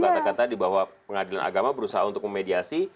seperti bu kata kata tadi bahwa pengadilan agama berusaha untuk memediasi